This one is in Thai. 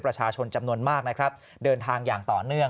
ประชาชนจำนวนมากนะครับเดินทางอย่างต่อเนื่อง